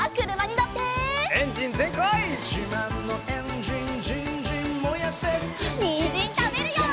にんじんたべるよ！